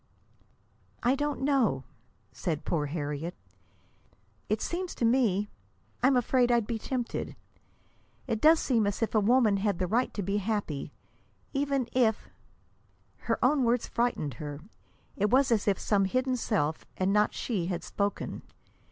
"I don't know," said poor Harriet. "It seems to me I'm afraid I'd be tempted. It does seem as if a woman had the right to be happy, even if " Her own words frightened her. It was as if some hidden self, and not she, had spoken.